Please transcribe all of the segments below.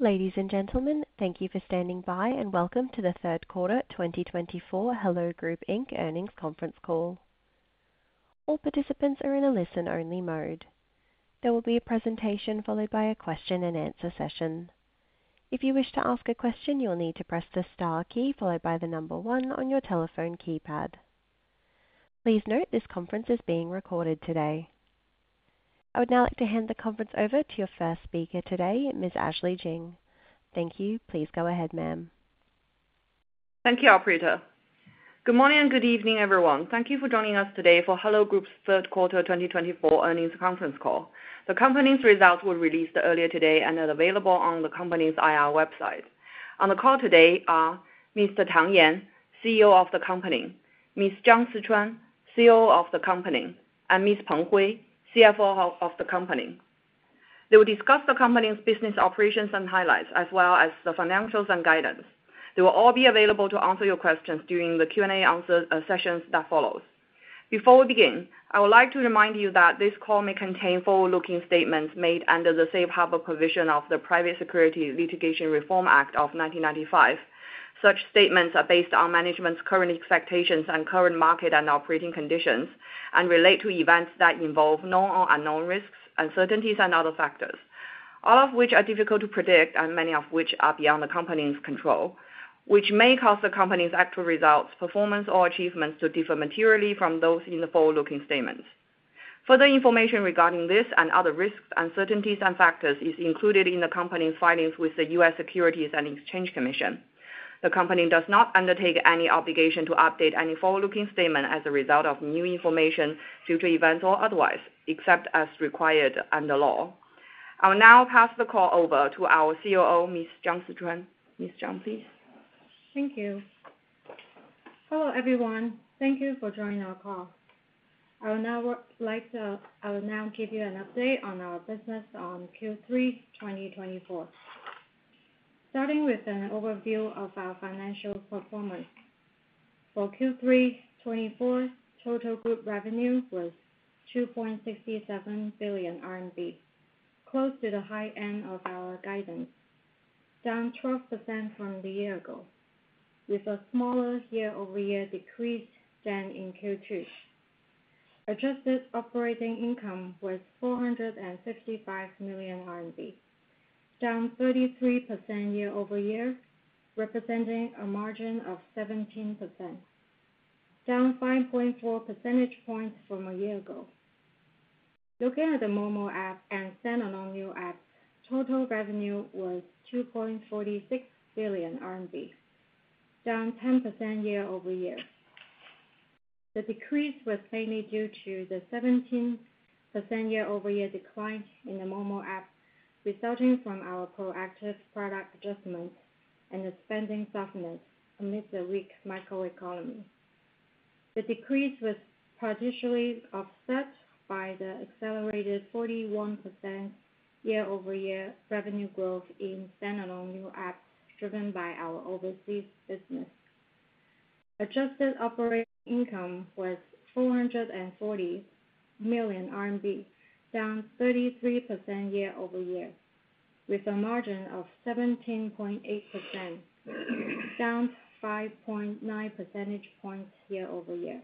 Ladies and gentlemen, thank you for standing by and welcome to the third quarter 2024 Hello Group Inc. earnings conference call. All participants are in a listen-only mode. There will be a presentation followed by a question-and-answer session. If you wish to ask a question, you'll need to press the star key followed by the number one on your telephone keypad. Please note this conference is being recorded today. I would now like to hand the conference over to your first speaker today, Ms. Ashley Jing. Thank you. Please go ahead, ma'am. Thank you, Operator. Good morning and good evening, everyone. Thank you for joining us today for Hello Group's third quarter 2024 earnings conference call. The company's results were released earlier today and are available on the company's IR website. On the call today are Mr. Tang Yan, CEO of the company, Ms. Sichuan Zhang, COO of the company, and Ms. Peng Hui, CFO of the company. They will discuss the company's business operations and highlights, as well as the financials and guidance. They will all be available to answer your questions during the Q&A sessions that follow. Before we begin, I would like to remind you that this call may contain forward-looking statements made under the Safe Harbor provision of the Private Securities Litigation Reform Act of 1995. Such statements are based on management's current expectations and current market and operating conditions, and relate to events that involve known or unknown risks, uncertainties, and other factors, all of which are difficult to predict, and many of which are beyond the company's control, which may cause the company's actual results, performance, or achievements to differ materially from those in the forward-looking statements. Further information regarding this and other risks, uncertainties, and factors is included in the company's filings with the U.S. Securities and Exchange Commission. The company does not undertake any obligation to update any forward-looking statement as a result of new information, future events, or otherwise, except as required under law. I will now pass the call over to our COO, Ms. Sichuan Zhang. Ms. Sichuan Zhang, please. Thank you. Hello, everyone. Thank you for joining our call. I would now like to give you an update on our business on Q3 2024, starting with an overview of our financial performance. For Q3 2024, total group revenue was 2.67 billion RMB, close to the high end of our guidance, down 12% from the year ago, with a smaller year-over-year decrease than in Q2. Adjusted operating income was 465 million RMB, down 33% year-over-year, representing a margin of 17%, down 5.4 percentage points from a year ago. Looking at the Momo app and SoulChill app, total revenue was 2.46 billion RMB, down 10% year-over-year. The decrease was mainly due to the 17% year-over-year decline in the Momo app, resulting from our proactive product adjustment and the spending softness amid the weak macroeconomy. The decrease was partially offset by the accelerated 41% year-over-year revenue growth in SoulChill app, driven by our overseas business. Adjusted operating income was 440 million RMB, down 33% year-over-year, with a margin of 17.8%, down 5.9 percentage points year-over-year,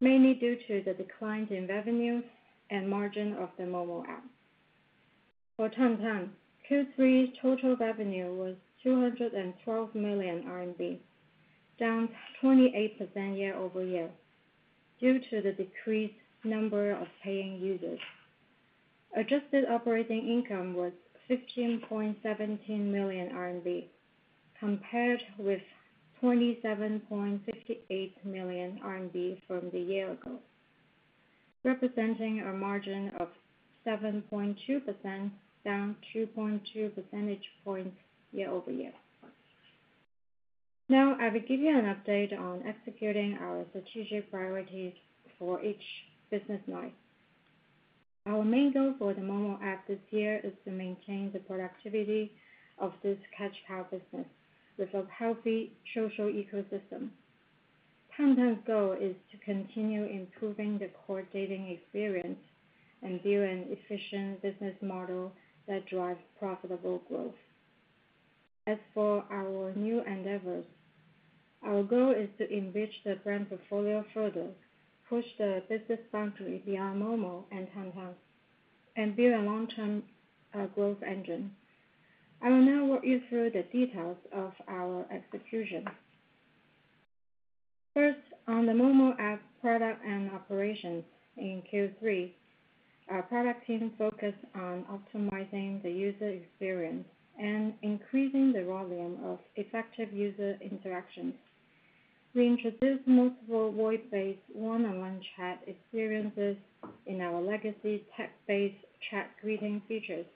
mainly due to the decline in revenue and margin of the Momo app. For Tantan, Q3 total revenue was 212 million RMB, down 28% year-over-year, due to the decreased number of paying users. Adjusted operating income was 15.17 million RMB, compared with 27.58 million RMB from the year ago, representing a margin of 7.2%, down 2.2 percentage points year-over-year. Now, I will give you an update on executing our strategic priorities for each business line. Our main goal for the Momo app this year is to maintain the productivity of this cash cow business, with a healthy social ecosystem. Tantan's goal is to continue improving the core dating experience and build an efficient business model that drives profitable growth. As for our new endeavors, our goal is to enrich the brand portfolio further, push the business boundary beyond Momo and Tantan, and build a long-term growth engine. I will now walk you through the details of our execution. First, on the Momo app product and operations in Q3, our product team focused on optimizing the user experience and increasing the volume of effective user interactions. We introduced multiple voice-based one-on-one chat experiences in our legacy tech-based chat greeting features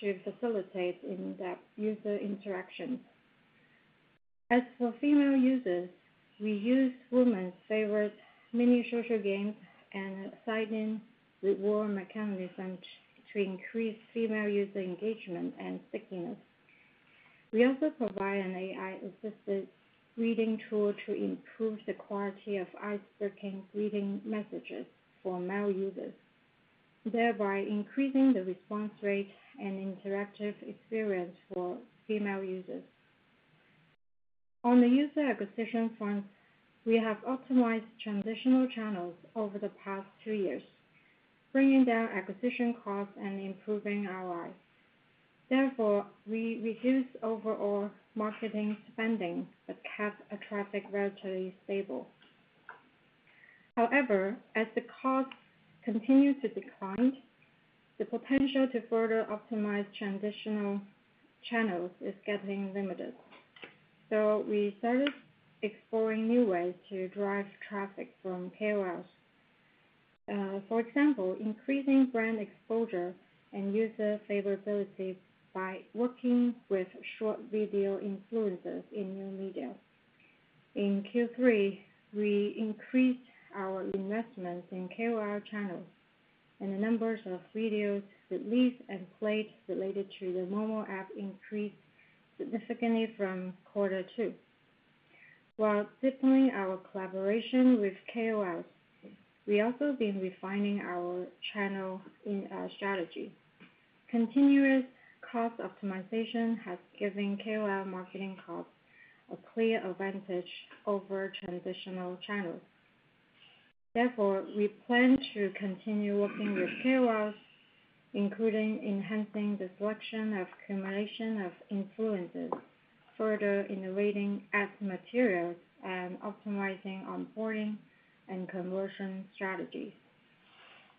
to facilitate in-depth user interactions. As for female users, we used women's favorite mini social games and sign-in reward mechanisms to increase female user engagement and stickiness. We also provide an AI-assisted greeting tool to improve the quality of ice-breaking greeting messages for male users, thereby increasing the response rate and interactive experience for female users. On the user acquisition front, we have optimized traditional channels over the past two years, bringing down acquisition costs and improving ROI. Therefore, we reduced overall marketing spending but kept traffic relatively stable. However, as the costs continued to decline, the potential to further optimize traditional channels is getting limited, so we started exploring new ways to drive traffic from KOLs. For example, increasing brand exposure and user favorability by working with short video influencers in new media. In Q3, we increased our investments in KOL channels, and the numbers of videos released and played related to the Momo app increased significantly from quarter two. While deepening our collaboration with KOLs, we have also been refining our channel strategy. Continuous cost optimization has given KOL marketing costs a clear advantage over traditional channels. Therefore, we plan to continue working with KOLs, including enhancing the selection and accumulation of influencers, further innovating ad materials, and optimizing onboarding and conversion strategies.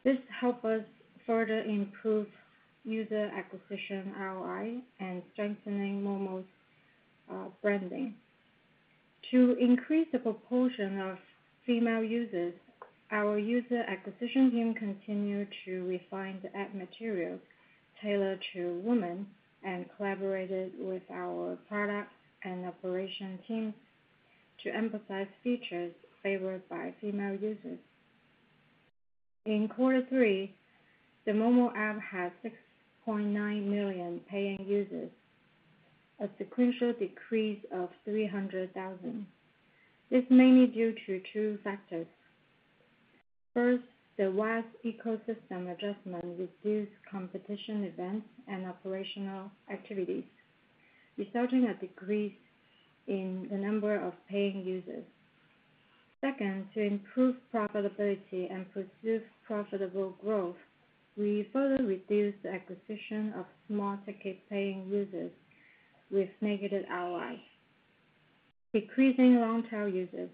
This helps us further improve user acquisition ROI and strengthen Momo's branding. To increase the proportion of female users, our user acquisition team continued to refine the ad materials tailored to women and collaborated with our product and operation team to emphasize features favored by female users. In quarter three, the Momo app had 6.9 million paying users, a sequential decrease of 300,000. This is mainly due to two factors. First, the live ecosystem adjustment reduced competition events and operational activities, resulting in a decrease in the number of paying users. Second, to improve profitability and pursue profitable growth, we further reduced the acquisition of small-ticket paying users with negative ROI, decreasing long-term users.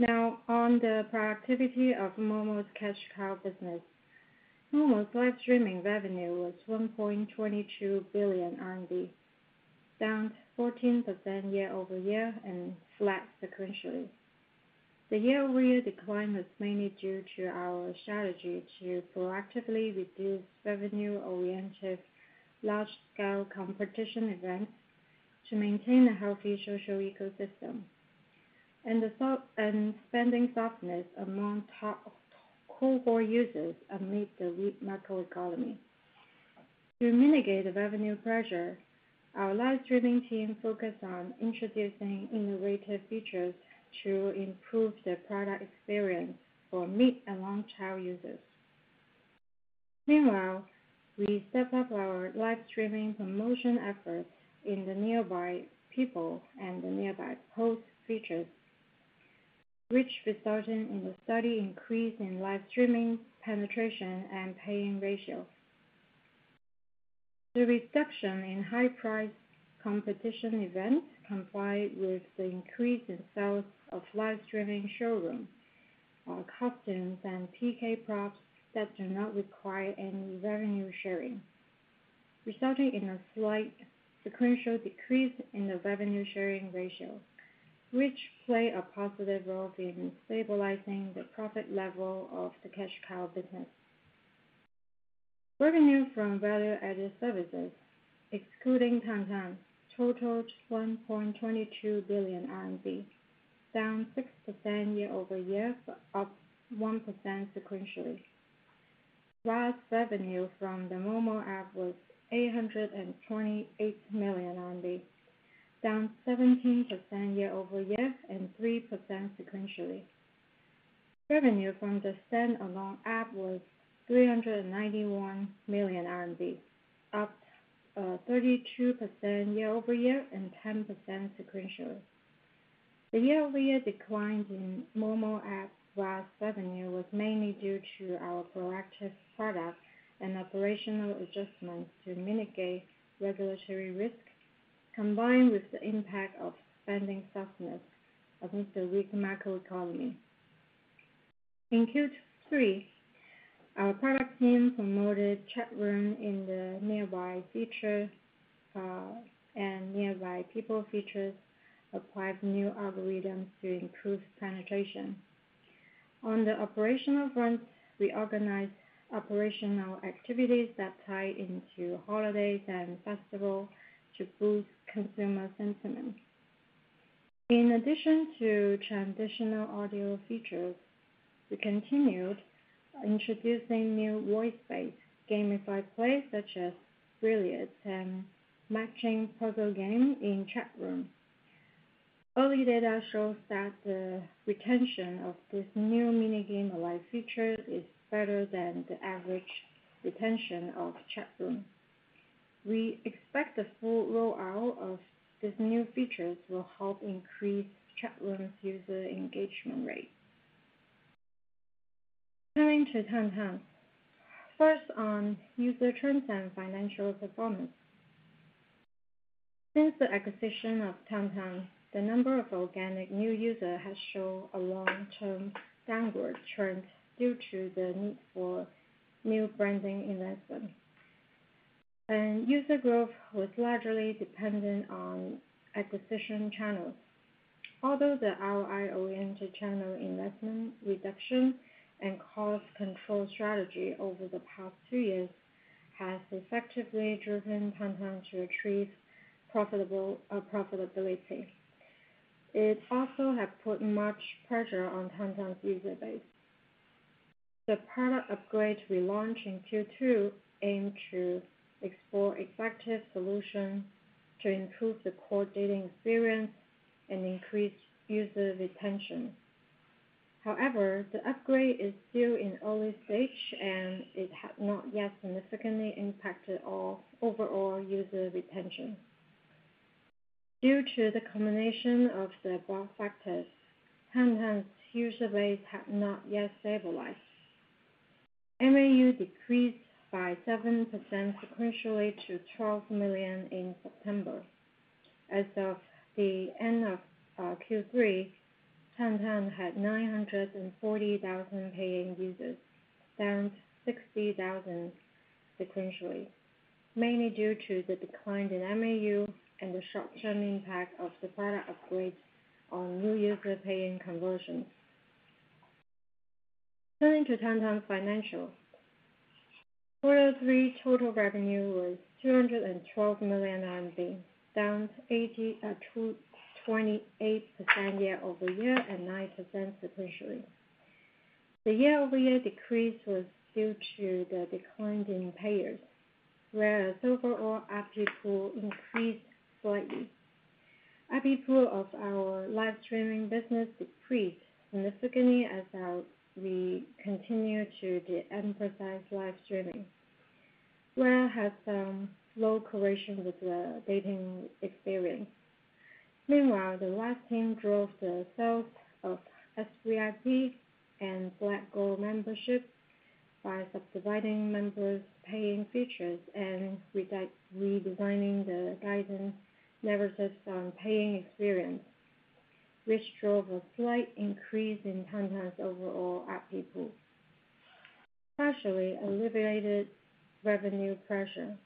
Now, on the productivity of Momo's cash cow business, Momo's live streaming revenue was 1.22 billion RMB, down 14% year-over-year and flat sequentially. The year-over-year decline was mainly due to our strategy to proactively reduce revenue-oriented large-scale competition events to maintain a healthy social ecosystem and spending softness among core users amid the weak macroeconomy. To mitigate the revenue pressure, our live streaming team focused on introducing innovative features to improve the product experience for mid and long-term users. Meanwhile, we stepped up our live streaming promotion efforts in the nearby people and the nearby post features, which resulted in a steady increase in live streaming penetration and paying ratio. The reduction in high-price competition events coincided with the increase in sales of live streaming showrooms, costumes, and PK props that do not require any revenue sharing, resulting in a slight sequential decrease in the revenue sharing ratio, which played a positive role in stabilizing the profit level of the cash cow business. Revenue from value-added services, excluding Tantan, totaled 1.22 billion RMB, down 6% year-over-year, up 1% sequentially. VAS revenue from the Momo app was 828 million, down 17% year-over-year and 3% sequentially. Revenue from the SoulChill app was 391 million RMB, up 32% year-over-year and 10% sequentially. The year-over-year decline in Momo app VAS revenue was mainly due to our proactive product and operational adjustments to mitigate regulatory risks, combined with the impact of spending softness amid the weak macroeconomy. In Q3, our product team promoted chat rooms in the nearby feature and nearby people features, applying new algorithms to improve penetration. On the operational front, we organized operational activities that tie into holidays and festivals to boost consumer sentiment. In addition to transitional audio features, we continued introducing new voice-based gamified plays, such as billiards and matching puzzle game in chat rooms. Early data shows that the retention of these new mini-game-like features is better than the average retention of chat rooms. We expect the full rollout of these new features will help increase chat rooms user engagement rate. Coming to Tantan, first on user trends and financial performance. Since the acquisition of Tantan, the number of organic new users has shown a long-term downward trend due to the need for new branding investment, and user growth was largely dependent on acquisition channels. Although the ROI-oriented channel investment reduction and cost control strategy over the past two years has effectively driven Tantan to achieve profitability, it also has put much pressure on Tantan's user base. The product upgrade we launched in Q2 aimed to explore effective solutions to improve the core dating experience and increase user retention. However, the upgrade is still in early stage, and it has not yet significantly impacted overall user retention. Due to the combination of the above factors, Tantan's user base has not yet stabilized. MAU decreased by 7% sequentially to 12 million in September. As of the end of Q3, Tantan had 940,000 paying users, down 60,000 sequentially, mainly due to the decline in MAU and the short-term impact of the product upgrade on new user paying conversions. Coming to Tantan's financials, quarter three total revenue was 212 million RMB, down 28% year-over-year and 9% sequentially. The year-over-year decrease was due to the decline in payers, whereas overall ARPPU increased slightly. ARPPU of our live streaming business decreased significantly as we continue to de-emphasize live streaming, whereas some low correlation with the dating experience. Meanwhile, the live team drove the sales of SVIP and Black Gold membership by subdividing members' paying features and redesigning the guidance narratives on paying experience, which drove a slight increase in Tantan's overall ARPPU, partially alleviated revenue pressure.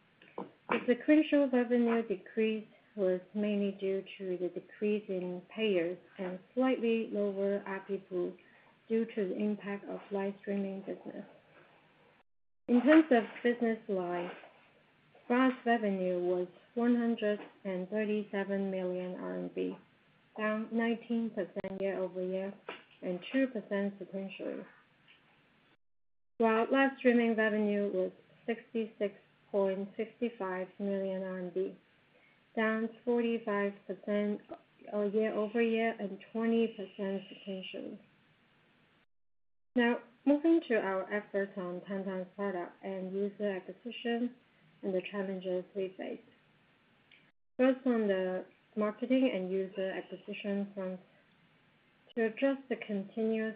The sequential revenue decrease was mainly due to the decrease in payers and slightly lower ARPPU due to the impact of live streaming business. In terms of live business, VAS revenue was RMB 137 million, down 19% year-over-year and 2% sequentially. Live streaming revenue was 66.65 million RMB, down 45% year-over-year and 20% sequentially. Now, moving to our efforts on Tantan's product and user acquisition and the challenges we faced. First, on the marketing and user acquisition front, to address the continuous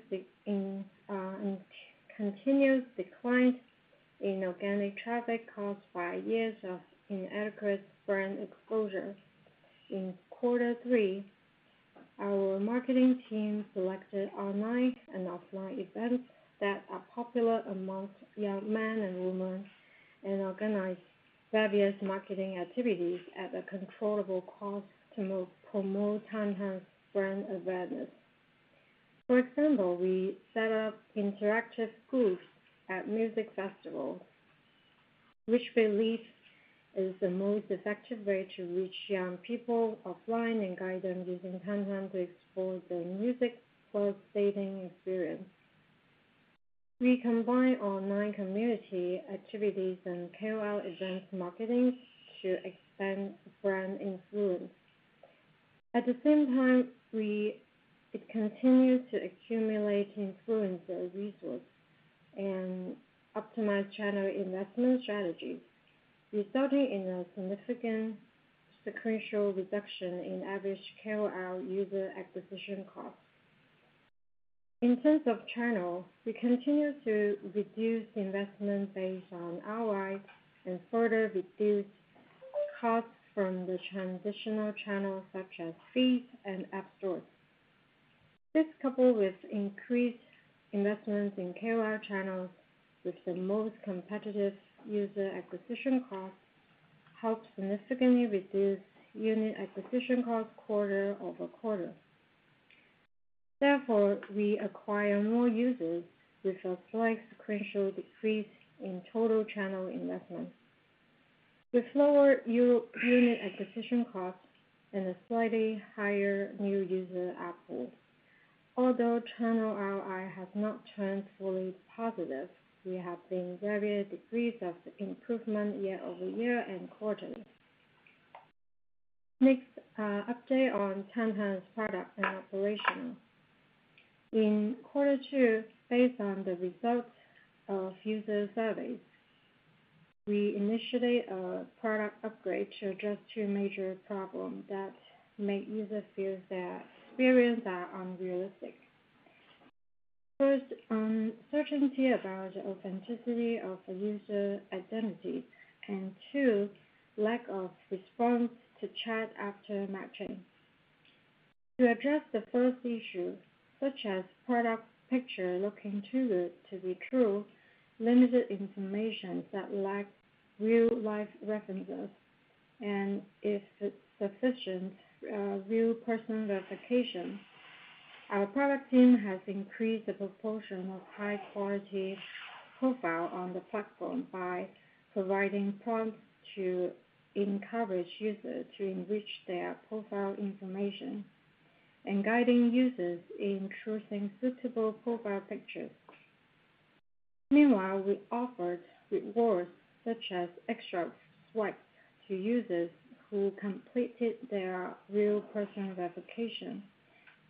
decline in organic traffic caused by years of inadequate brand exposure, in quarter three, our marketing team selected online and offline events that are popular among young men and women and organized various marketing activities at a controllable cost to promote Tantan's brand awareness. For example, we set up interactive booths at music festivals, which we believe is the most effective way to reach young people offline and guide them using Tantan to explore the music club dating experience. We combined online community activities and KOL events marketing to expand brand influence. At the same time, we continued to accumulate influencer resources and optimize channel investment strategies, resulting in a significant sequential reduction in average KOL user acquisition costs. In terms of channels, we continued to reduce investment based on ROI and further reduced costs from the transitional channels such as feeds and app stores. This, coupled with increased investment in KOL channels with the most competitive user acquisition costs, helped significantly reduce unit acquisition costs quarter-over-quarter. Therefore, we acquired more users with a slight sequential decrease in total channel investment. With lower unit acquisition costs and a slightly higher new user ARPPU, although channel ROI has not turned fully positive, we have seen various degrees of improvement year-over-year and quarterly. Next, an update on Tantan's product and operations. In quarter two, based on the results of user surveys, we initiated a product upgrade to address two major problems that made user feel their experiences are unrealistic. First, uncertainty about the authenticity of user identity, and two, lack of response to chat after matching. To address the first issue, such as product picture looking too good to be true, limited information that lacked real-life references, and if sufficient real-person verification, our product team has increased the proportion of high-quality profiles on the platform by providing prompts to encourage users to enrich their profile information and guiding users in choosing suitable profile pictures. Meanwhile, we offered rewards such as extra swipes to users who completed their real-person verification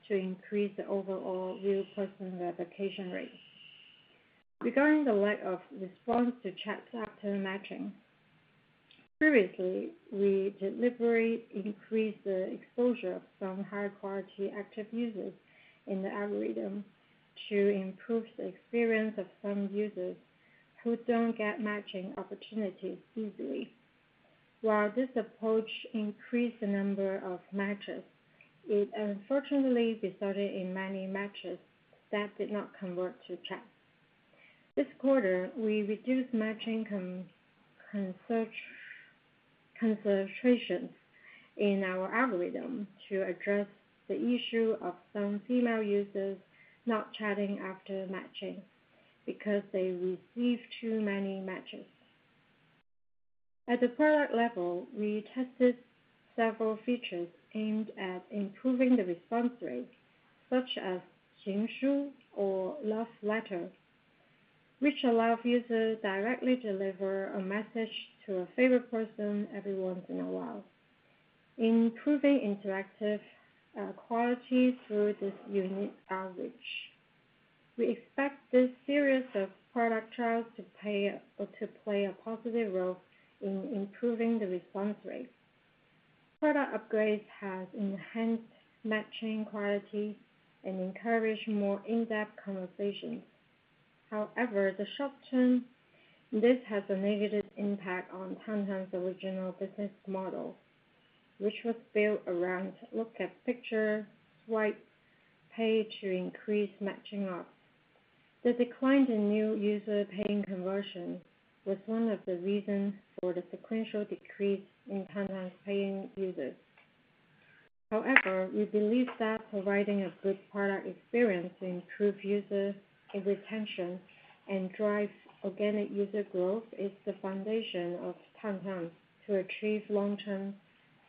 to increase the overall real-person verification rate. Regarding the lack of response to chat after matching, previously, we deliberately increased the exposure of some high-quality active users in the algorithm to improve the experience of some users who don't get matching opportunities easily. While this approach increased the number of matches, it unfortunately resulted in many matches that did not convert to chat. This quarter, we reduced matching concentrations in our algorithm to address the issue of some female users not chatting after matching because they received too many matches. At the product level, we tested several features aimed at improving the response rate, such as Xingxu or Love Letters, which allow users to directly deliver a message to a favorite person every once in a while. Improving interactive quality through this unique outreach, we expect this series of product trials to play a positive role in improving the response rate. Product upgrades have enhanced matching quality and encouraged more in-depth conversations. However, in the short term, this has a negative impact on Tantan's original business model, which was built around look-at-picture swipe play to increase matching odds. The decline in new user paying conversion was one of the reasons for the sequential decrease in Tantan's paying users. However, we believe that providing a good product experience to improve user retention and drive organic user growth is the foundation of Tantan's to achieve long-term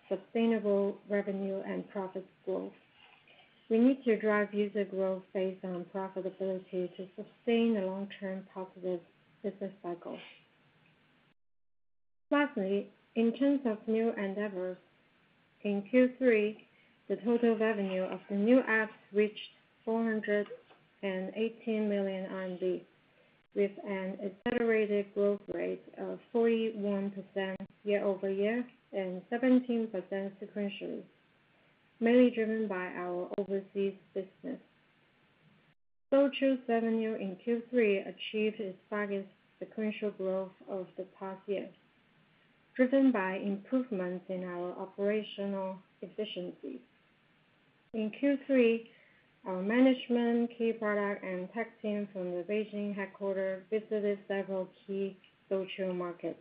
sustainable revenue and profit growth. We need to drive user growth based on profitability to sustain a long-term positive business cycle. Lastly, in terms of new endeavors, in Q3, the total revenue of the new apps reached 418 million RMB, with an accelerated growth rate of 41% year-over-year and 17% sequentially, mainly driven by our overseas business. SoulChill revenue in Q3 achieved its highest sequential growth of the past year, driven by improvements in our operational efficiency. In Q3, our management, key product, and tech team from the Beijing headquarters visited several key social markets.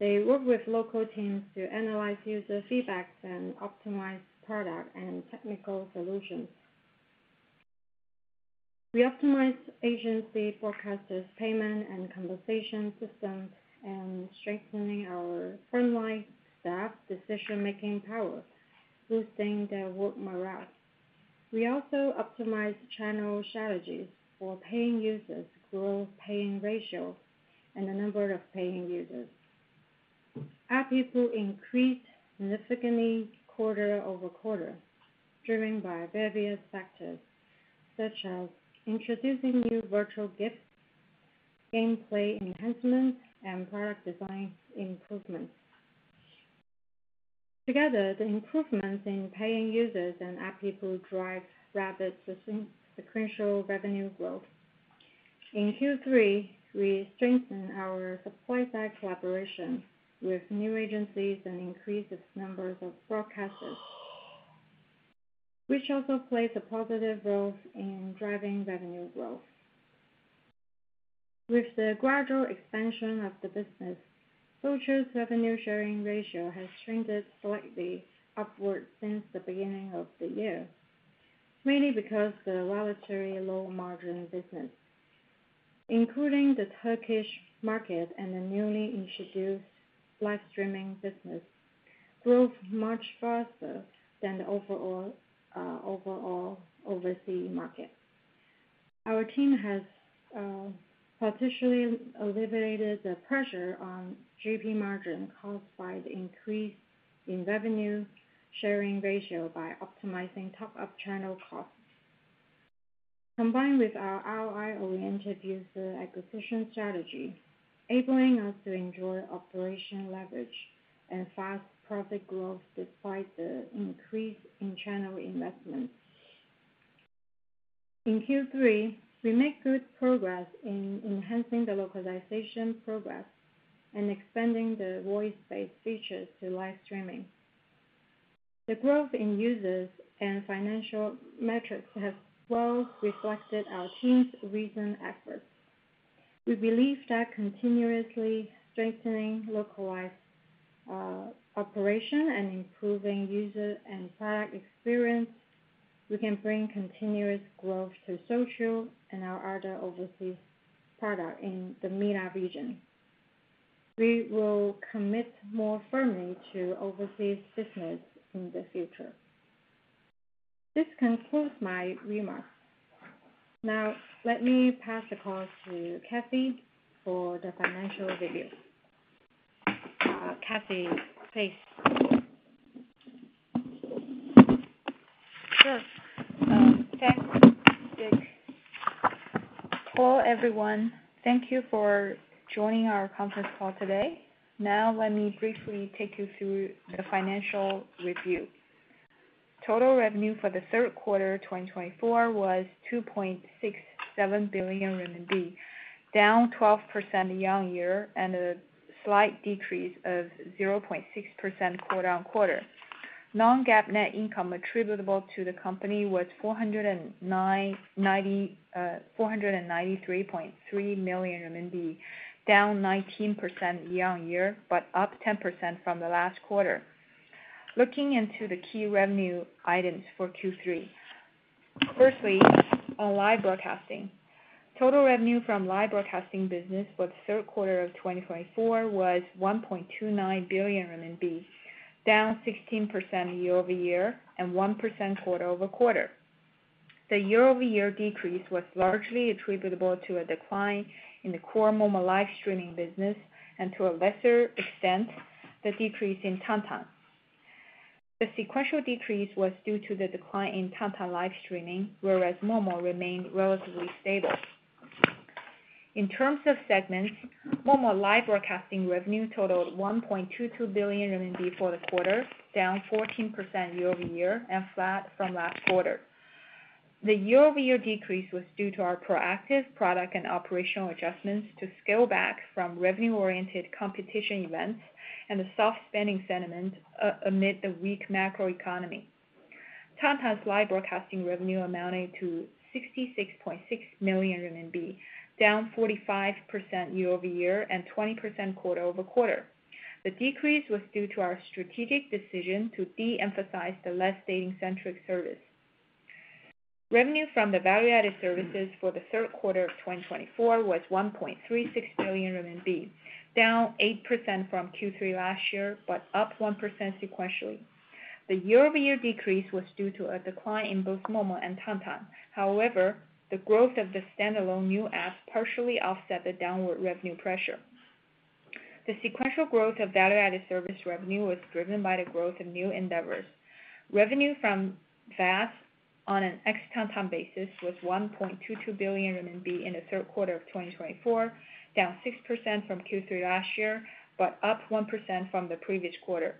They worked with local teams to analyze user feedback and optimize product and technical solutions. We optimized agency broadcasters' payment and compensation systems and strengthened our frontline staff decision-making power, boosting their work morale. We also optimized channel strategies for paying users' growth paying ratio and the number of paying users. ARPPU increased significantly quarter-over-quarter, driven by various factors such as introducing new virtual gifts, gameplay enhancements, and product design improvements. Together, the improvements in paying users and ARPPU drive rapid sequential revenue growth. In Q3, we strengthened our supply-side collaboration with new agencies and increased the number of broadcasters, which also played a positive role in driving revenue growth. With the gradual expansion of the business, SoulChill's revenue sharing ratio has trended slightly upward since the beginning of the year, mainly because of the relatively low margin business. Including the Turkish market and the newly introduced live streaming business, growth is much faster than the overall overseas market. Our team has particularly alleviated the pressure on GP margin caused by the increase in revenue sharing ratio by optimizing top-up channel costs. Combined with our ROI-oriented user acquisition strategy, enabling us to enjoy operation leverage and fast profit growth despite the increase in channel investment. In Q3, we made good progress in enhancing the localization progress and expanding the voice-based features to live streaming. The growth in users and financial metrics has well reflected our team's recent efforts. We believe that continuously strengthening localized operations and improving user and product experience, we can bring continuous growth to Social and our other overseas products in the MENA region. We will commit more firmly to overseas business in the future. This concludes my remarks. Now, let me pass the call to Cathy for the financial review. Cathy, please. Sure. Thanks. Hello everyone. Thank you for joining our conference call today. Now, let me briefly take you through the financial review. Total revenue for the third quarter of 2024 was 2.67 billion RMB, down 12% year-on-year and a slight decrease of 0.6% quarter on quarter. Non-GAAP net income attributable to the company was 493.3 million RMB, down 19% year-on-year but up 10% from the last quarter. Looking into the key revenue items for Q3, firstly, on live broadcasting, total revenue from live broadcasting business for the third quarter of 2024 was 1.29 billion RMB, down 16% year-over-year and 1% quarter-over-quarter. The year-over-year decrease was largely attributable to a decline in the core Momo live streaming business and, to a lesser extent, the decrease in Tantan. The sequential decrease was due to the decline in Tantan live streaming, whereas Momo remained relatively stable. In terms of segments, Momo live broadcasting revenue totaled 1.22 billion RMB for the quarter, down 14% year-over-year and flat from last quarter. The year-over-year decrease was due to our proactive product and operational adjustments to scale back from revenue-oriented competition events and the soft spending sentiment amid the weak macroeconomy. Tantan's live broadcasting revenue amounted to 66.6 million RMB, down 45% year-over-year and 20% quarter-over-quarter. The decrease was due to our strategic decision to de-emphasize the less dating-centric service. Revenue from the value-added services for the third quarter of 2024 was 1.36 billion RMB, down 8% from Q3 last year but up 1% sequentially. The year-over-year decrease was due to a decline in both Momo and Tantan. However, the growth of the standalone new apps partially offset the downward revenue pressure. The sequential growth of value-added service revenue was driven by the growth of new endeavors. Revenue from VAS on an ex-Tantan basis was 1.22 billion RMB in the third quarter of 2024, down 6% from Q3 last year but up 1% from the previous quarter.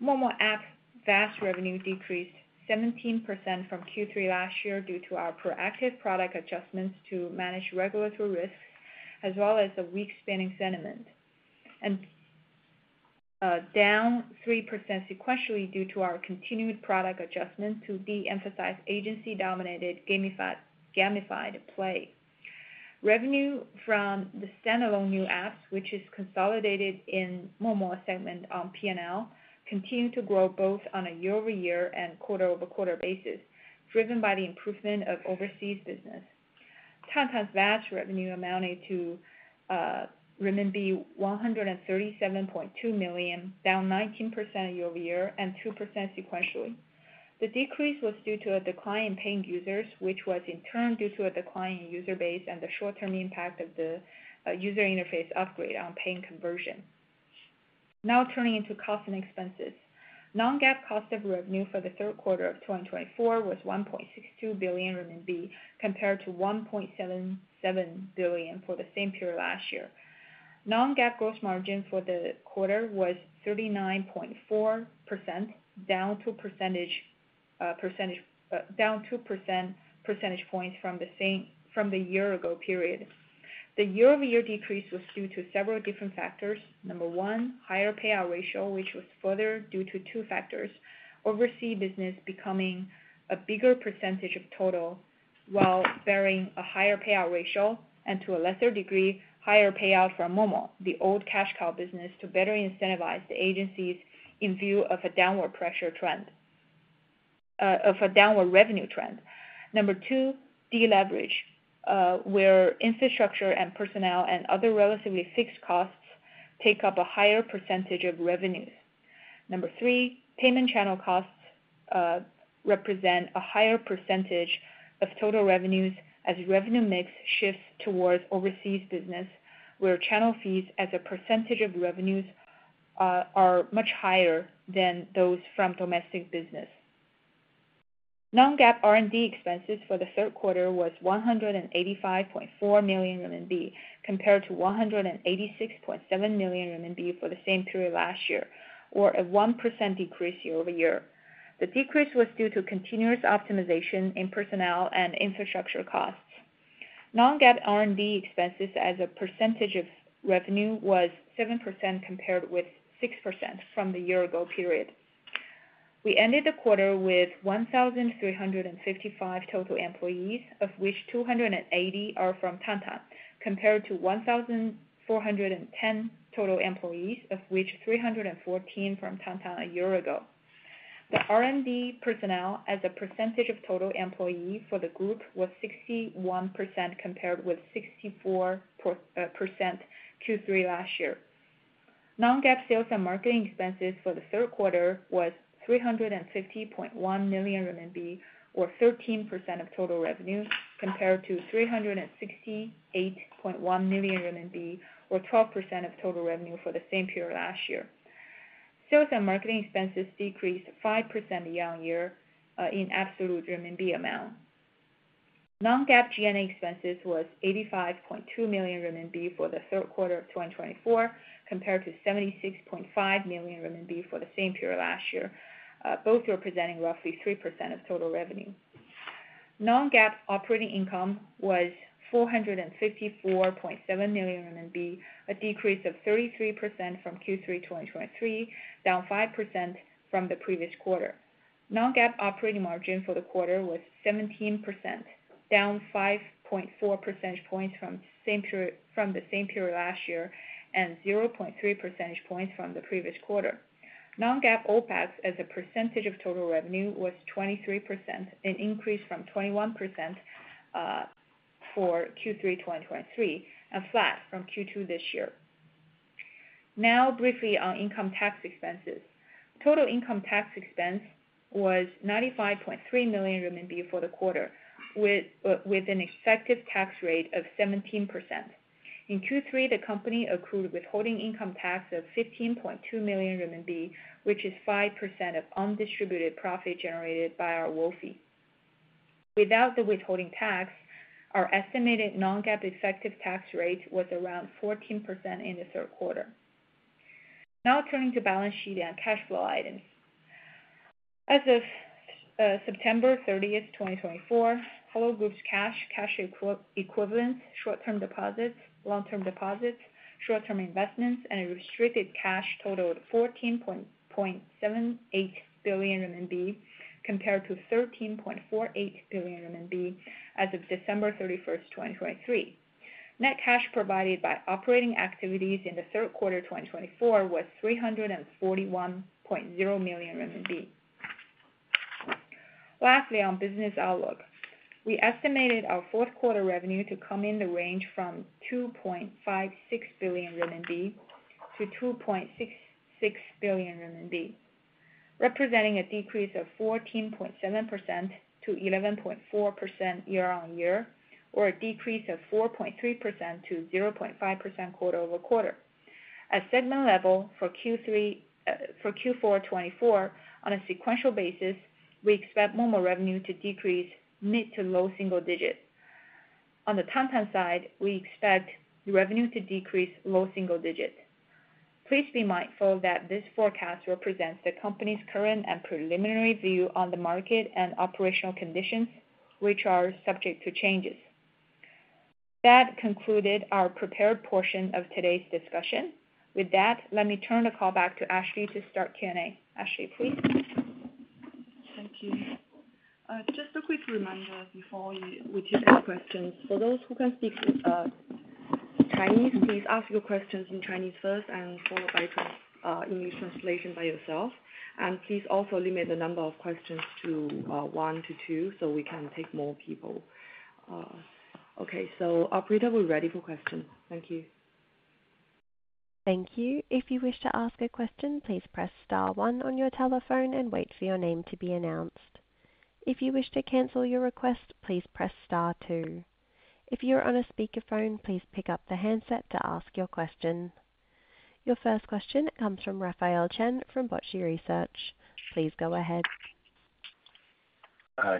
Momo app VAS revenue decreased 17% from Q3 last year due to our proactive product adjustments to manage regulatory risks as well as the weak spending sentiment, and down 3% sequentially due to our continued product adjustments to de-emphasize agency-dominated gamified play. Revenue from the standalone new apps, which is consolidated in Momo segment on P&L, continued to grow both on a year-over-year and quarter-over-quarter basis, driven by the improvement of overseas business. Tantan's VAS revenue amounted to renminbi 137.2 million, down 19% year-over-year and 2% sequentially. The decrease was due to a decline in paying users, which was in turn due to a decline in user base and the short-term impact of the user interface upgrade on paying conversion. Now turning into costs and expenses. Non-GAAP cost of revenue for the third quarter of 2024 was 1.62 billion RMB, compared to 1.77 billion for the same period last year. Non-GAAP gross margin for the quarter was 39.4%, down 2 percentage points from the year-ago period. The year-over-year decrease was due to several different factors. Number one, higher payout ratio, which was further due to two factors: overseas business becoming a bigger percentage of total while bearing a higher payout ratio, and to a lesser degree, higher payout from Momo, the old cash cow business, to better incentivize the agencies in view of a downward revenue trend. Number two, de-leverage, where infrastructure and personnel and other relatively fixed costs take up a higher percentage of revenues. Number three, payment channel costs represent a higher percentage of total revenues as revenue mix shifts towards overseas business, where channel fees as a percentage of revenues are much higher than those from domestic business. Non-GAAP R&D expenses for the third quarter was 185.4 million RMB, compared to 186.7 million RMB for the same period last year, or a 1% decrease year-over-year. The decrease was due to continuous optimization in personnel and infrastructure costs. Non-GAAP R&D expenses as a percentage of revenue was 7% compared with 6% from the year-ago period. We ended the quarter with 1,355 total employees, of which 280 are from Tantan, compared to 1,410 total employees, of which 314 from Tantan a year ago. The R&D personnel as a percentage of total employees for the group was 61% compared with 64% Q3 last year. Non-GAAP sales and marketing expenses for the third quarter was 350.1 million RMB, or 13% of total revenue, compared to 368.1 million RMB, or 12% of total revenue for the same period last year. Sales and marketing expenses decreased 5% year-on-year in absolute Renminbi amount. Non-GAAP G&A expenses was 85.2 million RMB for the third quarter of 2024, compared to 76.5 million RMB for the same period last year. Both were presenting roughly 3% of total revenue. Non-GAAP operating income was 454.7 million RMB, a decrease of 33% from Q3 2023, down 5% from the previous quarter. Non-GAAP operating margin for the quarter was 17%, down 5.4 percentage points from the same period last year and 0.3 percentage points from the previous quarter. Non-GAAP opex as a percentage of total revenue was 23%, an increase from 21% for Q3 2023 and flat from Q2 this year. Now, briefly on income tax expenses. Total income tax expense was 95.3 million renminbi for the quarter, with an effective tax rate of 17%. In Q3, the company accrued withholding income tax of 15.2 million RMB, which is 5% of undistributed profit generated by our WFOE. Without the withholding tax, our estimated non-GAAP effective tax rate was around 14% in the third quarter. Now turning to balance sheet and cash flow items. As of September 30, 2024, Hello Group's cash, cash equivalents, short-term deposits, long-term deposits, short-term investments, and a restricted cash totaled 14.78 billion RMB, compared to 13.48 billion RMB as of December 31, 2023. Net cash provided by operating activities in the third quarter of 2024 was 341.0 million RMB. Lastly, on business outlook, we estimated our fourth quarter revenue to come in the range from 2.56 billion RMB to 2.66 billion RMB, representing a decrease of 14.7% to 11.4% year-on-year, or a decrease of 4.3% to 0.5% quarter-over-quarter. At segment level for Q4 2024, on a sequential basis, we expect Momo revenue to decrease mid to low single digit. On the Tantan side, we expect revenue to decrease low single digit. Please be mindful that this forecast represents the company's current and preliminary view on the market and operational conditions, which are subject to changes. That concluded our prepared portion of today's discussion. With that, let me turn the call back to Ashley to start Q&A. Ashley, please. Thank you. Just a quick reminder before we take the questions. For those who can speak Chinese, please ask your questions in Chinese first and followed by English translation by yourself. And please also limit the number of questions to one to two so we can take more people. Okay, so operator, we're ready for questions. Thank you. Thank you. If you wish to ask a question, please press star one on your telephone and wait for your name to be announced. If you wish to cancel your request, please press star two. If you're on a speakerphone, please pick up the handset to ask your question. Your first question comes from Raphael Chen from BOCI Research. Please go ahead.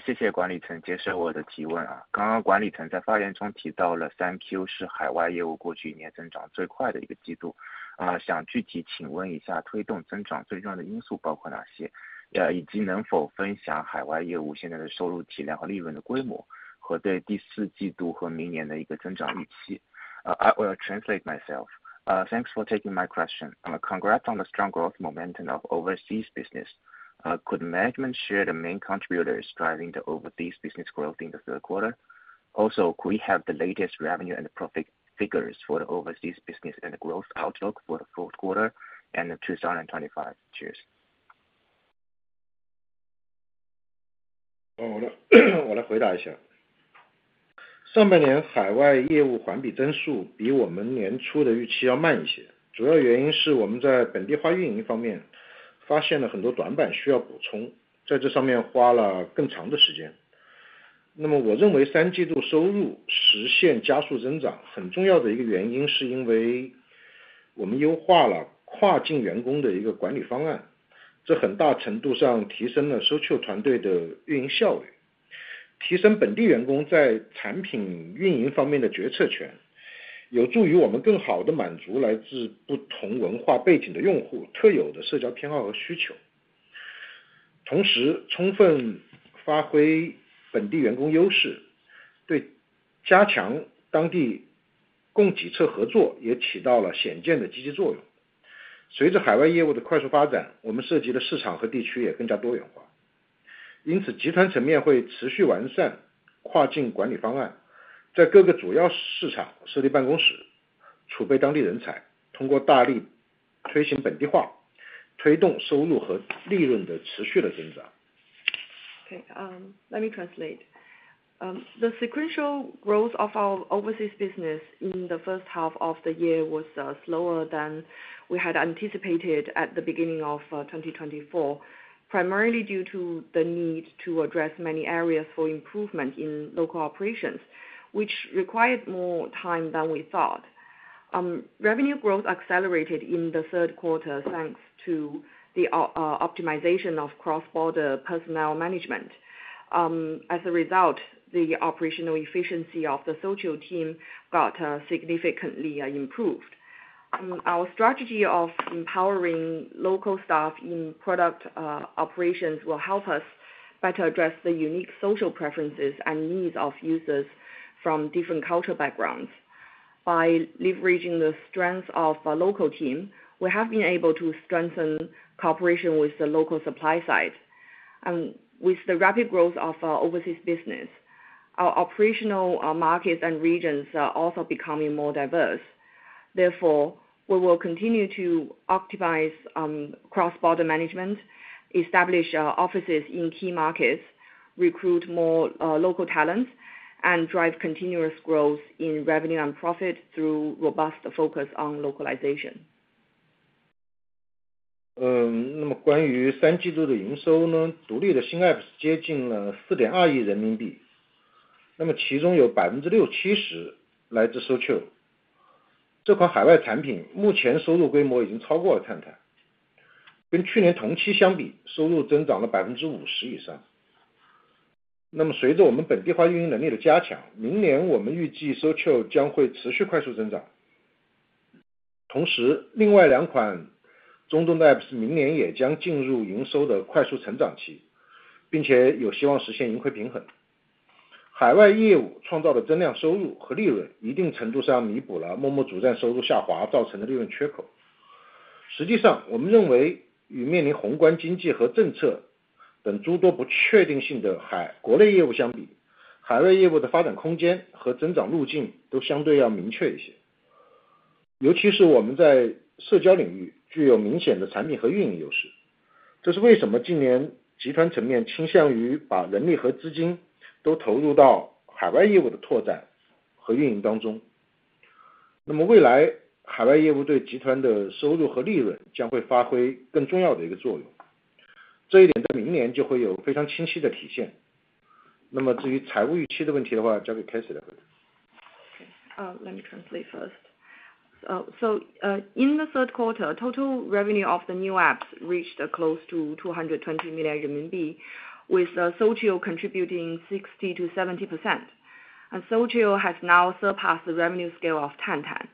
谢谢管理层接受我的提问。刚刚管理层在发言中提到了3Q是海外业务过去一年增长最快的一个季度。想具体请问一下推动增长最重要的因素包括哪些，以及能否分享海外业务现在的收入体量和利润的规模，和对第四季度和明年的一个增长预期。I will translate myself. Thanks for taking my question. Congrats on the strong growth momentum of overseas business. Could management share the main contributors driving the overseas business growth in the third quarter? Also, could we have the latest revenue and profit figures for the overseas business and the growth outlook for the fourth quarter and the 2025? Cheers. Okay, let me translate. The sequential growth of our overseas business in the first half of the year was slower than we had anticipated at the beginning of 2024, primarily due to the need to address many areas for improvement in local operations, which required more time than we thought. Revenue growth accelerated in the third quarter thanks to the optimization of cross-border personnel management. As a result, the operational efficiency of the SoulChill team got significantly improved. Our strategy of empowering local staff in product operations will help us better address the unique social preferences and needs of users from different cultural backgrounds. By leveraging the strengths of our local team, we have been able to strengthen cooperation with the local supply side. With the rapid growth of overseas business, our operational markets and regions are also becoming more diverse. Therefore, we will continue to optimize cross-border management, establish offices in key markets, recruit more local talents, and drive continuous growth in revenue and profit through robust focus on localization. Okay, let me translate first. So in the third quarter, total revenue of the new APPs reached close to 220 million RMB, with SoulChill contributing 60% to 70%. And SoulChill has now surpassed the revenue scale of Tantan.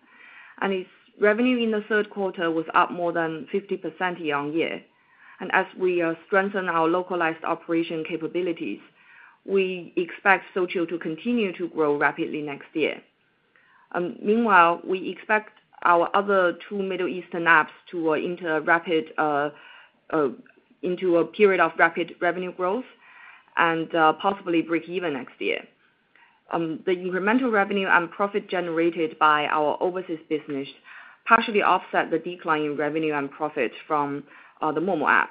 And its revenue in the third quarter was up more than 50% year-on-year. And as we strengthen our localized operation capabilities, we expect SoulChill to continue to grow rapidly next year. Meanwhile, we expect our other two Middle Eastern apps to enter a period of rapid revenue growth and possibly break even next year. The incremental revenue and profit generated by our overseas business partially offset the decline in revenue and profit from the Momo app.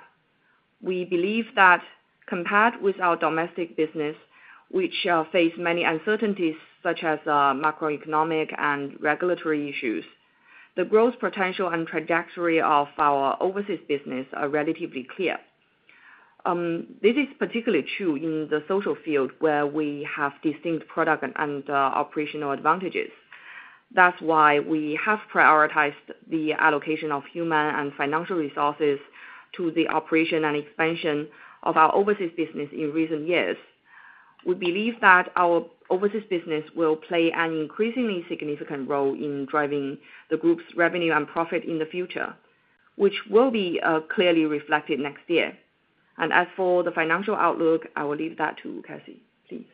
We believe that compared with our domestic business, which faced many uncertainties such as macroeconomic and regulatory issues, the growth potential and trajectory of our overseas business are relatively clear. This is particularly true in the SoulChill field, where we have distinct product and operational advantages. That's why we have prioritized the allocation of human and financial resources to the operation and expansion of our overseas business in recent years. We believe that our overseas business will play an increasingly significant role in driving the group's revenue and profit in the future, which will be clearly reflected next year. As for the financial outlook, I will leave that to Cathy, please.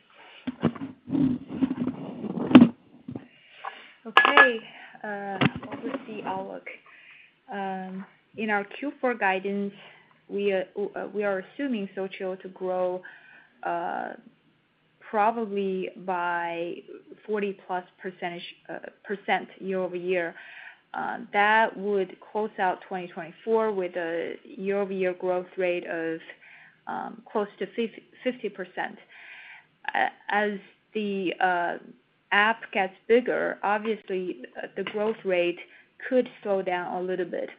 Okay, overseas outlook. In our Q4 guidance, we are assuming SoulChill to grow probably by 40% year-over-year. That would close out 2024 with a year-over-year growth rate of close to 50%. As the app gets bigger, obviously the growth rate could slow down a little bit.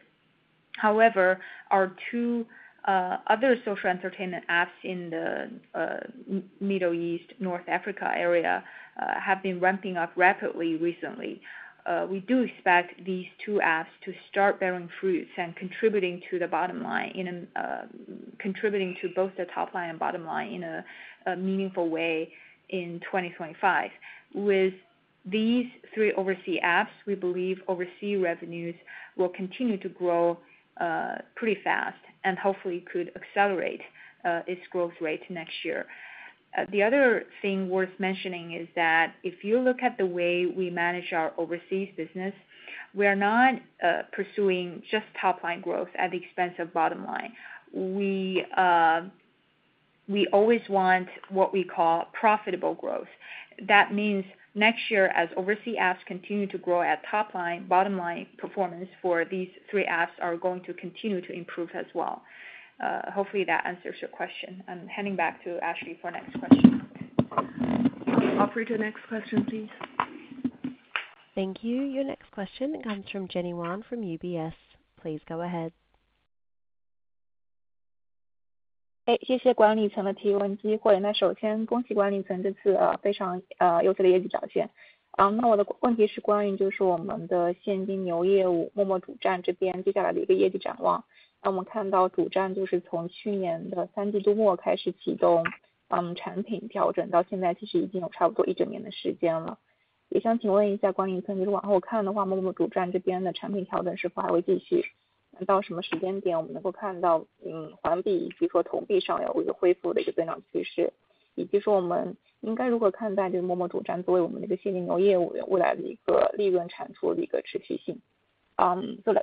However, our two other social entertainment apps in the Middle East, North Africa area have been ramping up rapidly recently. We do expect these two apps to start bearing fruits and contributing to the bottom line, contributing to both the top line and bottom line in a meaningful way in 2025. With these three overseas apps, we believe overseas revenues will continue to grow pretty fast and hopefully could accelerate its growth rate next year. The other thing worth mentioning is that if you look at the way we manage our overseas business, we are not pursuing just top-line growth at the expense of bottom line. We always want what we call profitable growth. That means next year, as overseas apps continue to grow at top line, bottom line performance for these three apps are going to continue to improve as well. Hopefully, that answers your question. I'm handing back to Ashley for next question. Operator, next question, please. Thank you. Your next question comes from Jenny Wang from UBS. Please go ahead. So let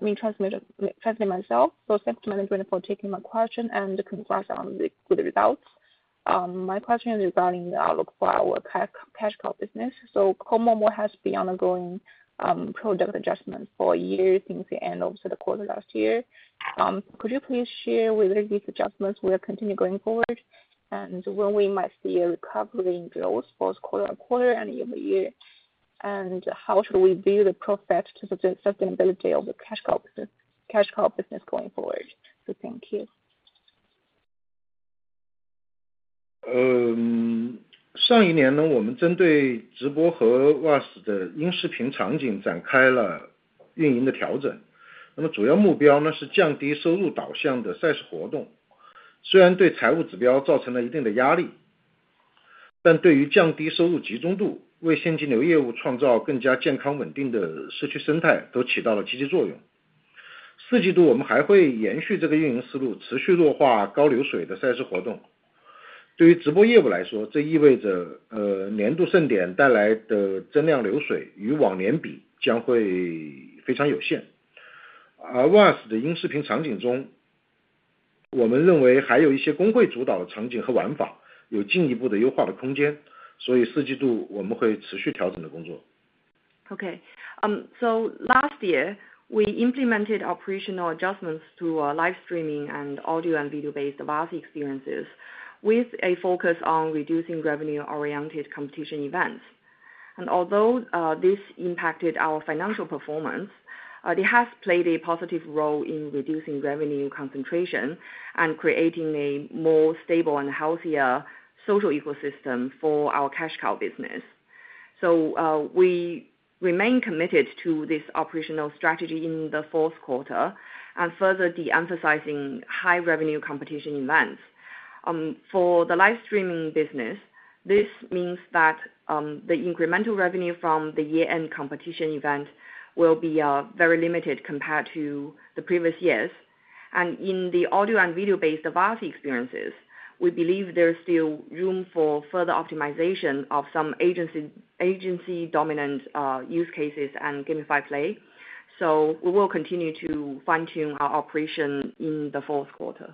me translate myself. So thank you, Manager, for taking my question and congrats on the good results. My question is regarding the outlook for our cash cow business. So Momo has been undergoing product adjustments for a year since the end of the quarter last year. Could you please share whether these adjustments will continue going forward and when we might see a recovery in growth both quarter on quarter and year by year? And how should we view the profit sustainability of the cash cow business going forward? So thank you. Okay. So last year, we implemented operational adjustments to live streaming and audio and video-based VAS experiences with a focus on reducing revenue-oriented competition events. And although this impacted our financial performance, it has played a positive role in reducing revenue concentration and creating a more stable and healthier social ecosystem for our cash cow business. So we remain committed to this operational strategy in the fourth quarter and further de-emphasizing high revenue competition events. For the live streaming business, this means that the incremental revenue from the year-end competition event will be very limited compared to the previous years. In the audio and video-based VAS experiences, we believe there's still room for further optimization of some agency-dominant use cases and gamified play. We will continue to fine-tune our operation in the fourth quarter.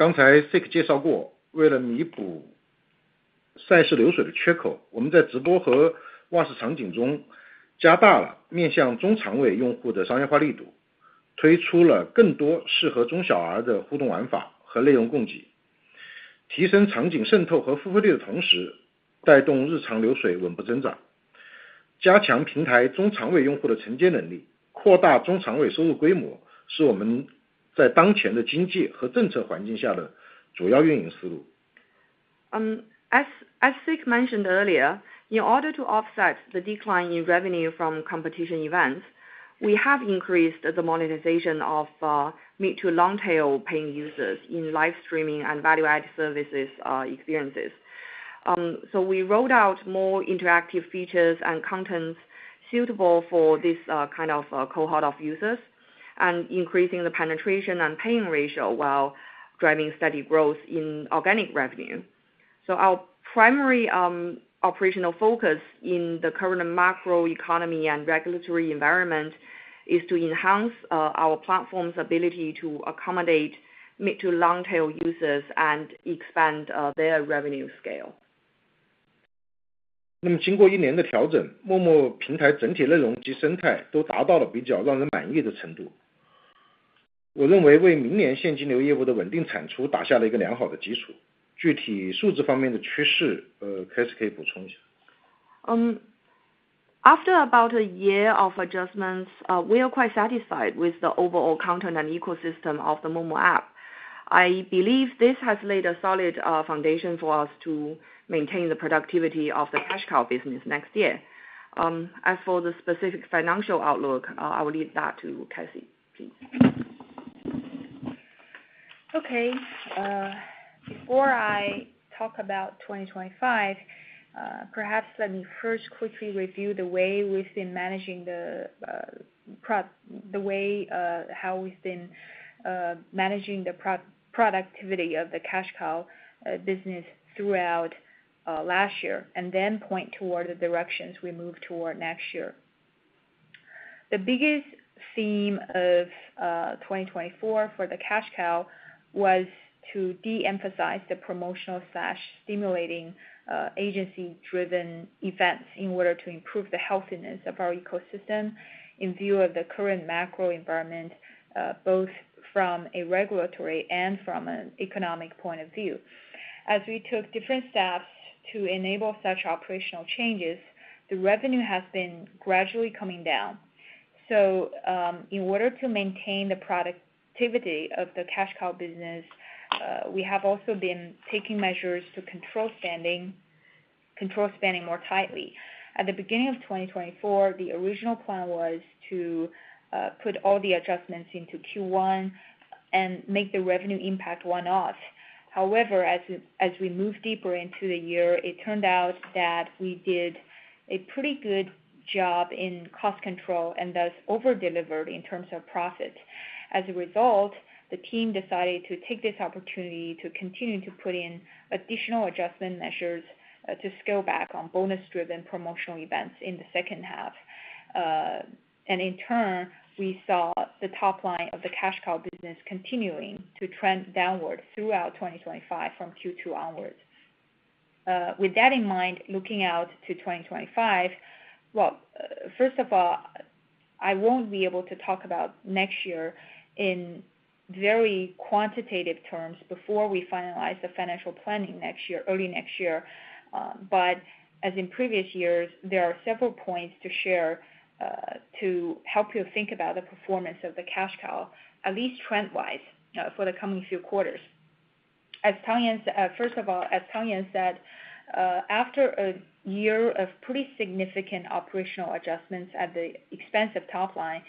刚才Sichuan介绍过，为了弥补赛事流水的缺口，我们在直播和VAS场景中加大了面向中长尾用户的商业化力度，推出了更多适中小R的互动玩法和内容供给，提升场景渗透和付费率的同时，带动日常流水稳步增长。加强平台中长尾用户的承接能力，扩大中长尾收入规模，是我们在当前的经济和政策环境下的主要运营思路. As Sic mentioned earlier, in order to offset the decline in revenue from competition events, we have increased the monetization of mid to long-tail paying users in live streaming and value-added services experiences. We rolled out more interactive features and contents suitable for this kind of cohort of users and increasing the penetration and paying ratio while driving steady growth in organic revenue. Our primary operational focus in the current macroeconomy and regulatory environment is to enhance our platform's ability to accommodate mid to long-tail users and expand their revenue scale. 那么经过一年的调整，Momo平台整体内容及生态都达到了比较让人满意的程度。我认为为明年现金流业务的稳定产出打下了一个良好的基础。具体数字方面的趋势，Cathy可以补充一下。After about a year of adjustments, we are quite satisfied with the overall content and ecosystem of the Momo app. I believe this has laid a solid foundation for us to maintain the productivity of the cash cow business next year. As for the specific financial outlook, I will leave that to Cathy, please. Okay. Before I talk about 2025, perhaps let me first quickly review the way we've been managing the product, the way how we've been managing the productivity of the cash cow business throughout last year, and then point toward the directions we move toward next year. The biggest theme of 2024 for the cash cow was to de-emphasize the promotional/stimulating agency-driven events in order to improve the healthiness of our ecosystem in view of the current macroenvironment, both from a regulatory and from an economic point of view. As we took different steps to enable such operational changes, the revenue has been gradually coming down. So in order to maintain the productivity of the cash cow business, we have also been taking measures to control spending more tightly. At the beginning of 2024, the original plan was to put all the adjustments into Q1 and make the revenue impact one-off. However, as we moved deeper into the year, it turned out that we did a pretty good job in cost control and thus over-delivered in terms of profit. As a result, the team decided to take this opportunity to continue to put in additional adjustment measures to scale back on bonus-driven promotional events in the second half. And in turn, we saw the top line of the cash cow business continuing to trend downward throughout 2025 from Q2 onwards. With that in mind, looking out to 2025, well, first of all, I won't be able to talk about next year in very quantitative terms before we finalize the financial planning next year, early next year. But as in previous years, there are several points to share to help you think about the performance of the cash cow, at least trend-wise, for the coming few quarters. As Tang Yan said, first of all, after a year of pretty significant operational adjustments at the expense of top line,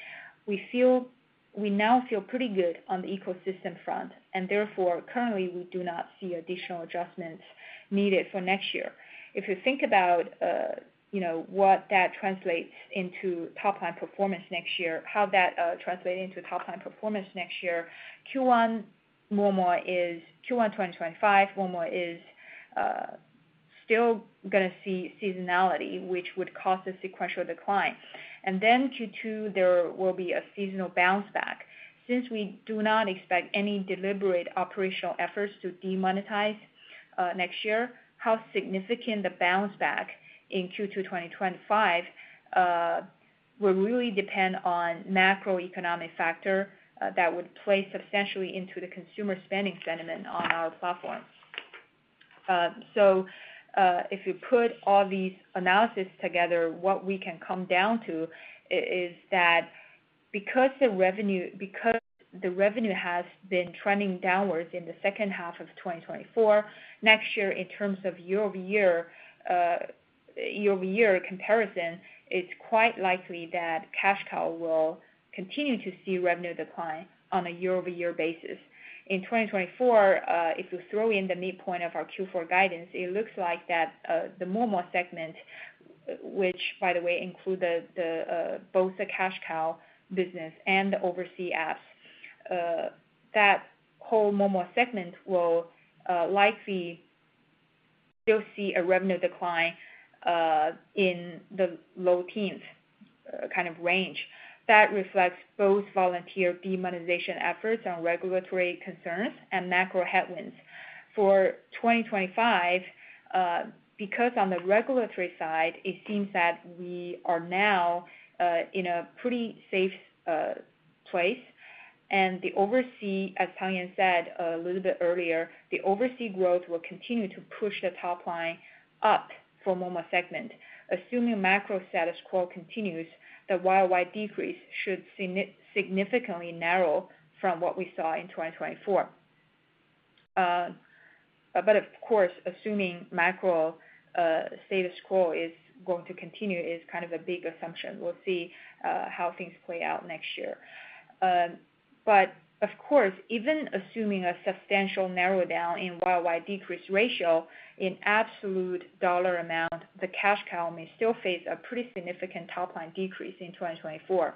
we now feel pretty good on the ecosystem front. And therefore, currently, we do not see additional adjustments needed for next year. If you think about what that translates into top-line performance next year, Q1 2025, Momo is still going to see seasonality, which would cause a sequential decline. And then Q2, there will be a seasonal bounce back. Since we do not expect any deliberate operational efforts to demonetize next year, how significant the bounce back in Q2 2025 will really depend on macroeconomic factors that would play substantially into the consumer spending sentiment on our platform. So if you put all these analyses together, what we can come down to is that because the revenue has been trending downwards in the second half of 2024, next year, in terms of year-over-year comparison, it's quite likely that cash cow will continue to see revenue decline on a year-over-year basis. In 2024, if you throw in the midpoint of our Q4 guidance, it looks like that the Momo segment, which, by the way, includes both the cash cow business and the overseas apps, that whole Momo segment will likely still see a revenue decline in the low teens kind of range. That reflects both voluntary demonetization efforts on regulatory concerns and macro headwinds. For 2025, because on the regulatory side, it seems that we are now in a pretty safe place, and the overseas, as Tang Yan said a little bit earlier, the overseas growth will continue to push the top line up for Momo segment. Assuming macro status quo continues, the YoY decrease should significantly narrow from what we saw in 2024, but of course, assuming macro status quo is going to continue is kind of a big assumption. We'll see how things play out next year. But of course, even assuming a substantial narrowdown in YYY decrease ratio in absolute dollar amount, the cash cow may still face a pretty significant top-line decrease in 2024.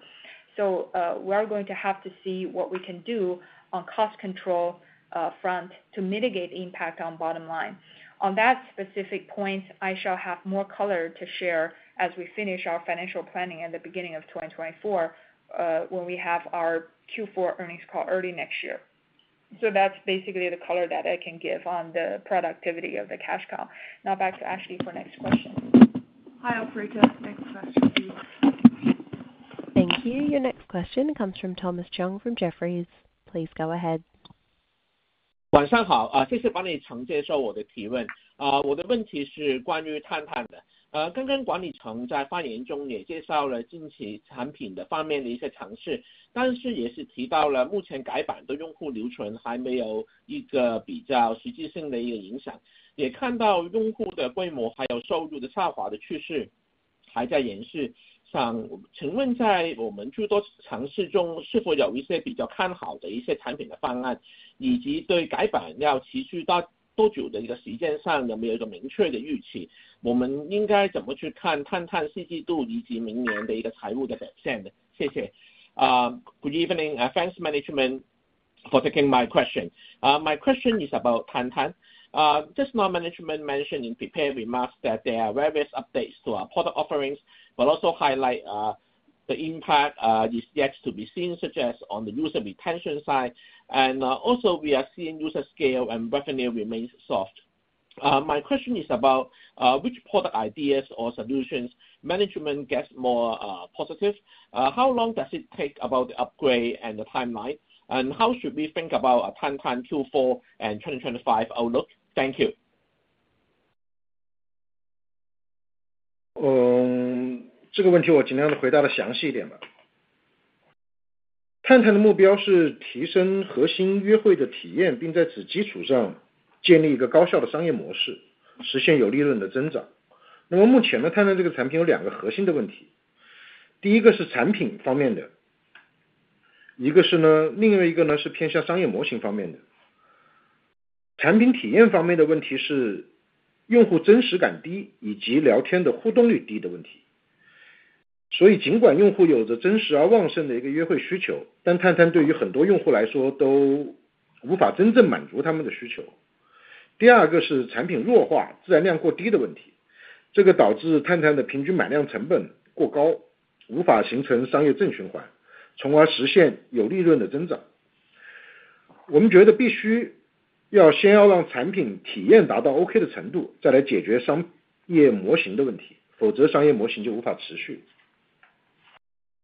So we are going to have to see what we can do on the cost control front to mitigate the impact on bottom line. On that specific point, I shall have more color to share as we finish our financial planning at the beginning of 2024 when we have our Q4 earnings call early next year. So that's basically the color that I can give on the productivity of the cash cow. Now back to Ashley for the next question. Hi, Operator. Next question for you. Thank you. Your next question comes from Thomas Chong from Jefferies. Please go ahead. Good evening. Thanks, management, for taking my question. My question is about Tantan. Just now, management mentioned in prepared remarks that there are various updates to our product offerings, but also highlight the impact is yet to be seen, such as on the user retention side. And also, we are seeing user scale and revenue remain soft. My question is about which product ideas or solutions management gets more positive? How long does it take about the upgrade and the timeline? And how should we think about Tantan Q4 and 2025 outlook? Thank you.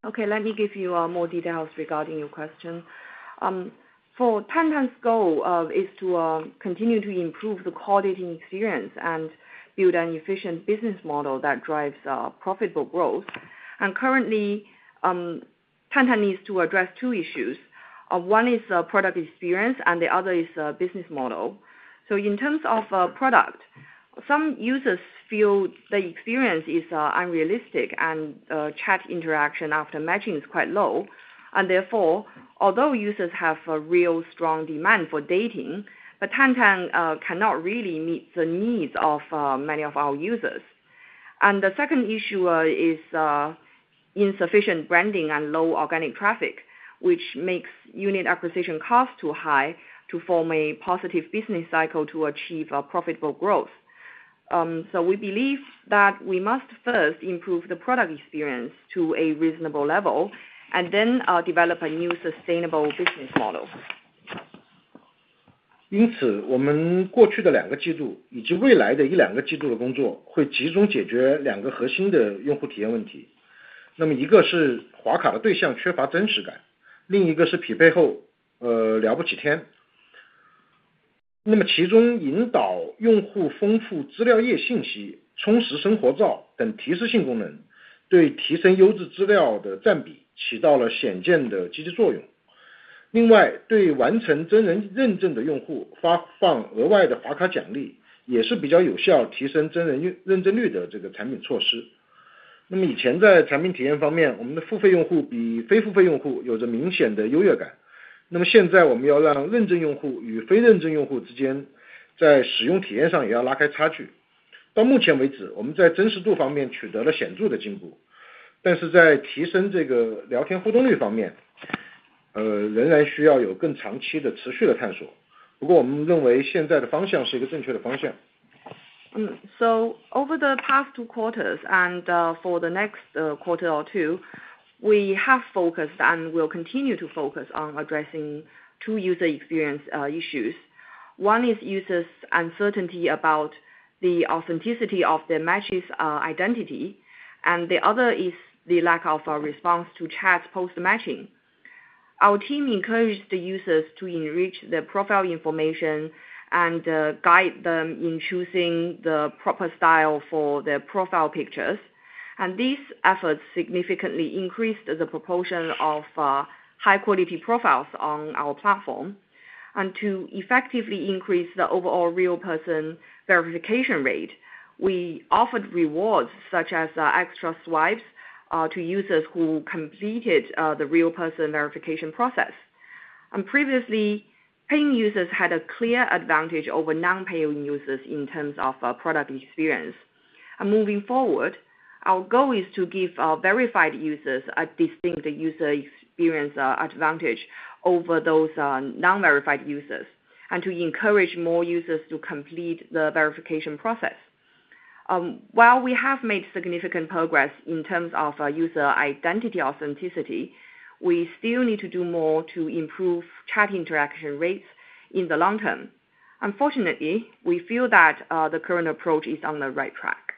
Okay. Let me give you more details regarding your question. For Tantan's goal is to continue to improve the quality and experience and build an efficient business model that drives profitable growth. And currently, Tantan needs to address two issues. One is product experience, and the other is business model. In terms of product, some users feel the experience is unrealistic, and chat interaction after matching is quite low. And therefore, although users have a real strong demand for dating, Tantan cannot really meet the needs of many of our users. And the second issue is insufficient branding and low organic traffic, which makes unit acquisition costs too high to form a positive business cycle to achieve profitable growth. So we believe that we must first improve the product experience to a reasonable level and then develop a new sustainable business model. So over the past two quarters and for the next quarter or two, we have focused and will continue to focus on addressing two user experience issues. One is users' uncertainty about the authenticity of their matches' identity, and the other is the lack of response to chat post-matching. Our team encourages the users to enrich their profile information and guide them in choosing the proper style for their profile pictures, and these efforts significantly increased the proportion of high-quality profiles on our platform, and to effectively increase the overall real-person verification rate, we offered rewards such as extra swipes to users who completed the real-person verification process, and previously, paying users had a clear advantage over non-paying users in terms of product experience, and moving forward, our goal is to give verified users a distinct user experience advantage over those non-verified users and to encourage more users to complete the verification process. While we have made significant progress in terms of user identity authenticity, we still need to do more to improve chat interaction rates in the long term. Unfortunately, we feel that the current approach is on the right track.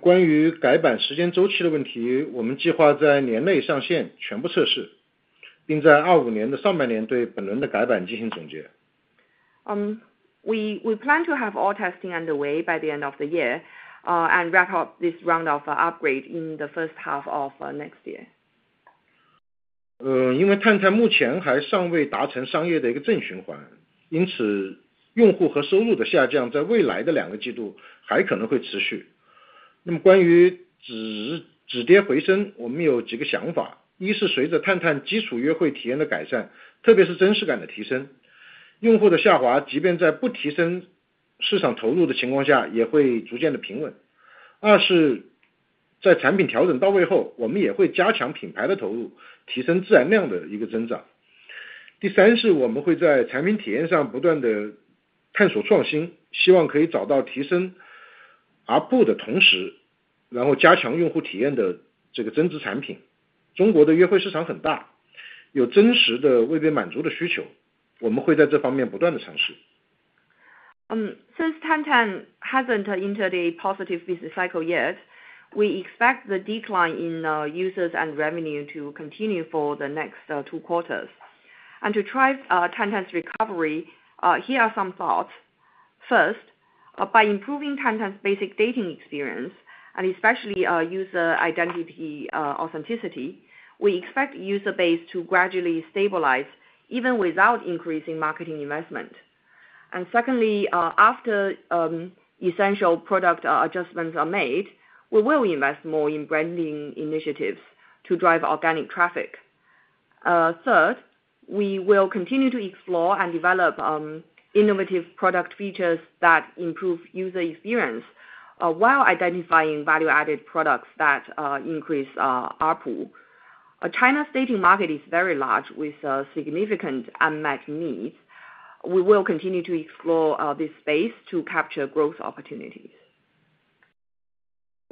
关于改版时间周期的问题，我们计划在年内上线全部测试，并在2025年的上半年对本轮的改版进行总结。We plan to have all testing underway by the end of the year and wrap up this round of upgrade in the first half of next year. Since Tantan hasn't entered a positive business cycle yet, we expect the decline in users and revenue to continue for the next two quarters. And to drive Tantan's recovery, here are some thoughts. First, by improving Tantan's basic dating experience and especially user identity authenticity, we expect user base to gradually stabilize even without increasing marketing investment. And secondly, after essential product adjustments are made, we will invest more in branding initiatives to drive organic traffic. Third, we will continue to explore and develop innovative product features that improve user experience while identifying value-added products that increase RPU. China's dating market is very large with significant unmet needs. We will continue to explore this space to capture growth opportunities.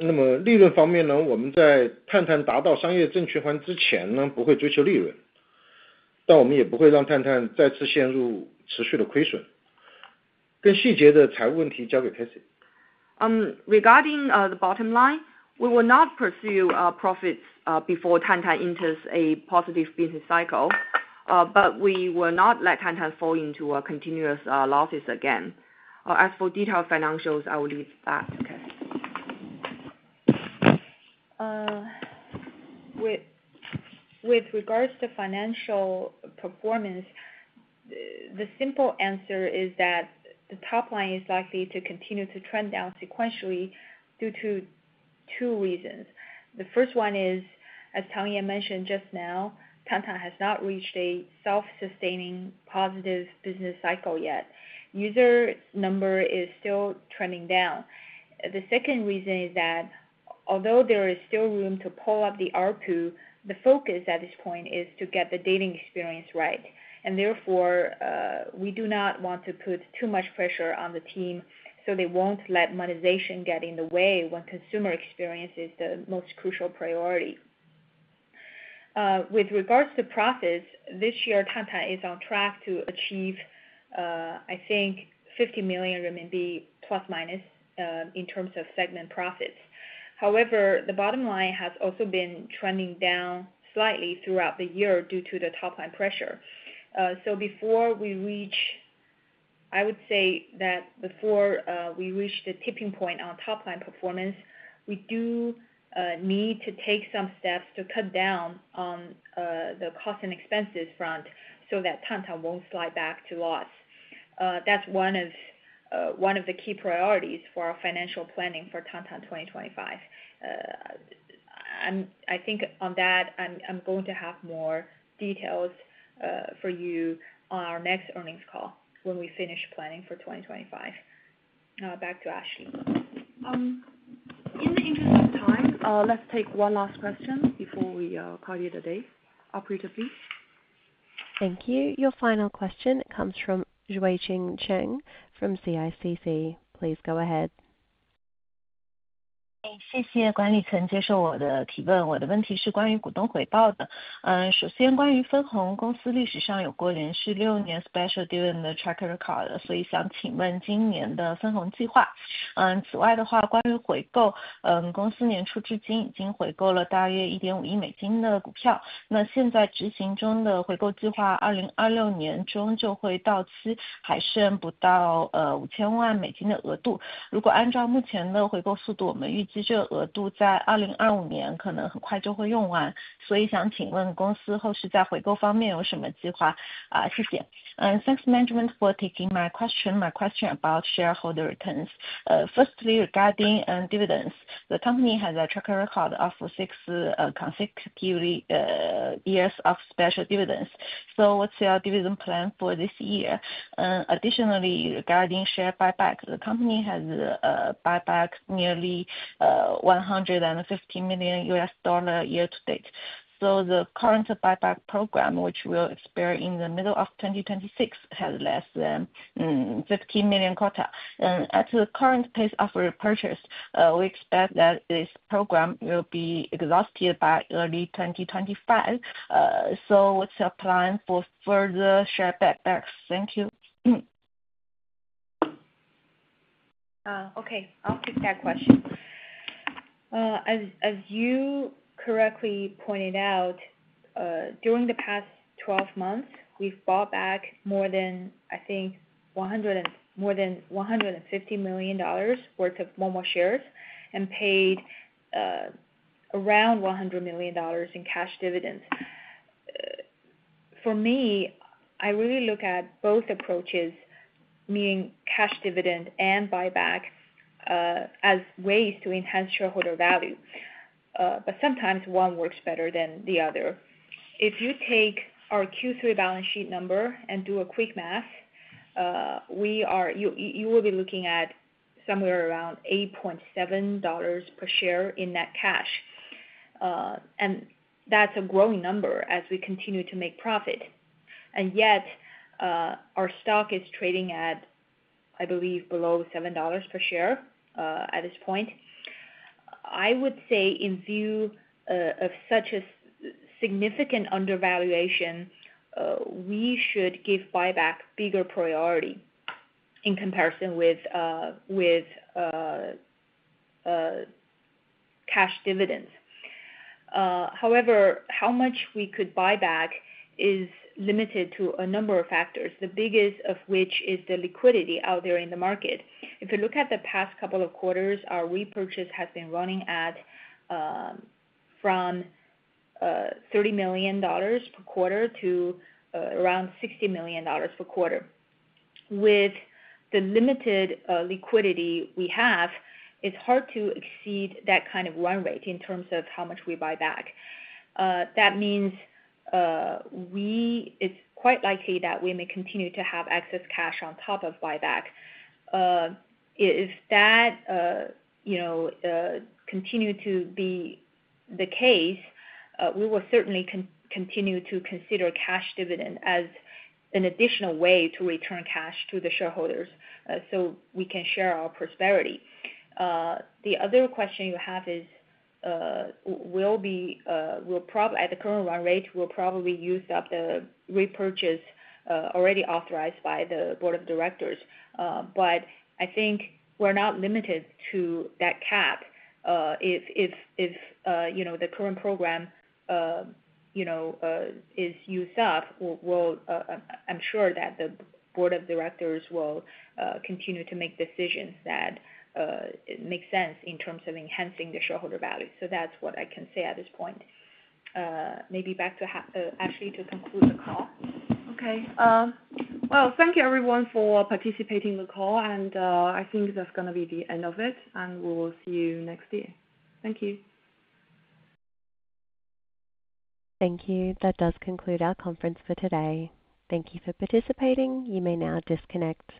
那么利润方面，我们在Tantan达到商业正循环之前不会追求利润，但我们也不会让Tantan再次陷入持续的亏损。更详细的财务问题交给Cathy。Regarding the bottom line, we will not pursue profits before Tantan enters a positive business cycle, but we will not let Tantan fall into continuous losses again. As for detailed financials, I will leave that to Cathy. With regards to financial performance, the simple answer is that the top line is likely to continue to trend down sequentially due to two reasons. The first one is, as Tang Yan mentioned just now, Tantan has not reached a self-sustaining positive business cycle yet. User number is still trending down. The second reason is that although there is still room to pull up the RPU, the focus at this point is to get the dating experience right. And therefore, we do not want to put too much pressure on the team so they won't let monetization get in the way when consumer experience is the most crucial priority. With regards to profits, this year Tantan is on track to achieve, I think, 50 million± in terms of segment profits. However, the bottom line has also been trending down slightly throughout the year due to the top line pressure. So before we reach, I would say that before we reach the tipping point on top line performance, we do need to take some steps to cut down on the cost and expenses front so that Tantan won't slide back to loss. That's one of the key priorities for our financial planning for Tantan 2025. I think on that, I'm going to have more details for you on our next earnings call when we finish planning for 2025. Now back to Ashley. In the interest of time, let's take one last question before we call it today. Operator, please. Thank you. Your final question comes from Xueqing Zhang from CICC. Please go ahead. 谢谢管理层接受我的提问。我的问题是关于股东回报的。首先关于分红，公司历史上有过连续六年 special dividend track record，所以想请问今年的分红计划。此外的话，关于回购，公司年初至今已经回购了大约$150 million美金的股票。那现在执行中的回购计划2026年中就会到期，还剩不到$50 million美金的额度。如果按照目前的回购速度，我们预计这个额度在2025年可能很快就会用完。所以想请问公司后续在回购方面有什么计划。谢谢. Thanks, management, for taking my question. My question is about shareholder returns. Firstly, regarding dividends, the company has a track record of six consecutive years of special dividends. So what's your dividend plan for this year? Additionally, regarding share buyback, the company has bought back nearly $150 million year to date. So the current buyback program, which will expire in the middle of 2026, has less than $50 million remaining. At the current pace of repurchase, we expect that this program will be exhausted by early 2025. So what's your plan for further share buybacks? Thank you. Okay. I'll take that question. As you correctly pointed out, during the past 12 months, we've bought back more than, I think, more than $150 million worth of Momo shares and paid around $100 million in cash dividends. For me, I really look at both approaches, meaning cash dividend and buyback, as ways to enhance shareholder value. But sometimes one works better than the other. If you take our Q3 balance sheet number and do a quick math, you will be looking at somewhere around $8.7 per share in net cash. And that's a growing number as we continue to make profit. And yet our stock is trading at, I believe, below $7 per share at this point. I would say in view of such a significant undervaluation, we should give buyback bigger priority in comparison with cash dividends. However, how much we could buy back is limited to a number of factors, the biggest of which is the liquidity out there in the market. If you look at the past couple of quarters, our repurchase has been running from $30 million per quarter to around $60 million per quarter. With the limited liquidity we have, it's hard to exceed that kind of run rate in terms of how much we buy back. That means it's quite likely that we may continue to have excess cash on top of buyback. If that continues to be the case, we will certainly continue to consider cash dividend as an additional way to return cash to the shareholders so we can share our prosperity. The other question you have is, at the current run rate, we'll probably use up the repurchase already authorized by the board of directors. But I think we're not limited to that cap. If the current program is used up, I'm sure that the board of directors will continue to make decisions that make sense in terms of enhancing the shareholder value. So that's what I can say at this point. Maybe back to Ashley to conclude the call. Okay. Well, thank you, everyone, for participating in the call. And I think that's going to be the end of it. And we will see you next year. Thank you. Thank you. That does conclude our conference for today. Thank you for participating. You may now disconnect.